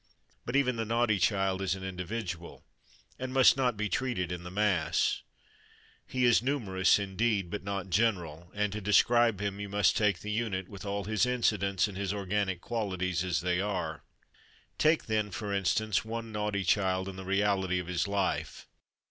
But even the naughty child is an individual, and must not be treated in the mass. He is numerous indeed, but not general, and to describe him you must take the unit, with all his incidents and his organic qualities as they are. Take then, for instance, one naughty child in the reality of his life.